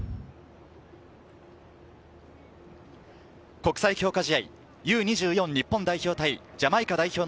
国際強化試合Ｕー２４、日本代表対ジャマイカ代表。